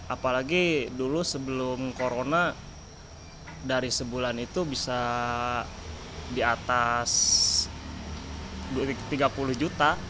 apalagi dulu sebelum corona dari sebulan itu bisa di atas tiga puluh juta